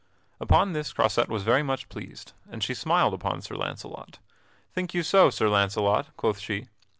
Upon this Croisette was very much pleased, and she smiled upon Sir Launcelot. "Think you so, Sir Launcelot?" quoth she.